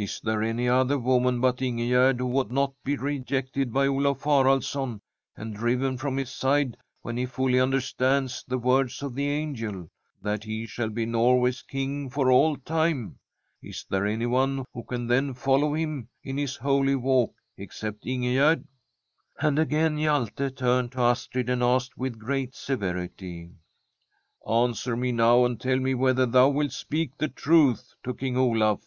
ASTRID * Is there any other woman but Ingeeerd who would not be rejected by Olaf Haralasson and driven from his side when he fully understands the words of the angel, that he shall be Norway's King for all time? Is there anyone who can, then, follow him in his holy walk except In gegerd ?' And again Hjalte turned to Astrid and asked with great severity :' Answer me now and tell me whether thou wilt speak the truth to King; Olaf